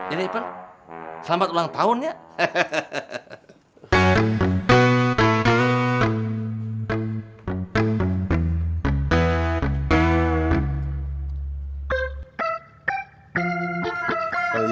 ini apa selamat ulang tahun ya hehehe